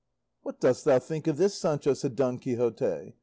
"What dost thou think of this, Sancho?" said Don Quixote.